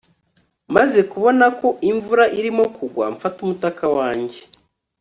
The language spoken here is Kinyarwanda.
Maze kubona ko imvura irimo kugwa mfata umutaka wanjye